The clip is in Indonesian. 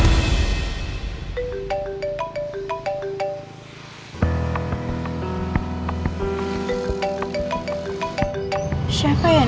tidak ada yang bisa dihukum